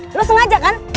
hah lu sengaja kan